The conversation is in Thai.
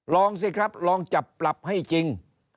ลองสิครับลองจับปรับให้จริง